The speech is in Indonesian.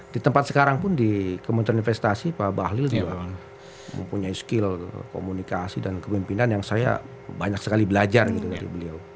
di tempat sekarang pun di kementerian investasi pak bahlil juga mempunyai skill komunikasi dan kepemimpinan yang saya banyak sekali belajar gitu dari beliau